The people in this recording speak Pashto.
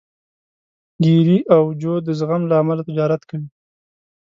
ګېري او جو د زغم له امله تجارت کوي.